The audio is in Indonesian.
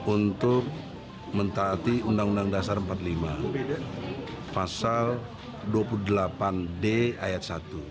untuk mentaati undang undang dasar empat puluh lima pasal dua puluh delapan d ayat satu